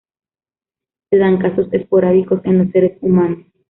Se dan casos esporádicos en los seres humanos.